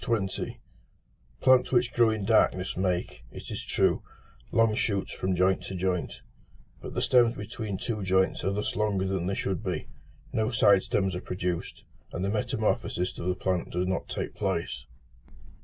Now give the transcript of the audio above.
Plants which grow in darkness make, it is true, long shoots from joint to joint: but the stems between two joints are thus longer than they should be; no side stems are produced, and the metamorphosis of the plant does not take place.